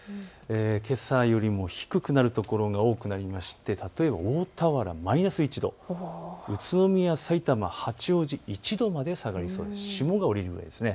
けさよりも低くなる所が多くなって例えば大田原マイナス１度、宇都宮、さいたま、八王子１度まで下がる予想、霜が降りるんです。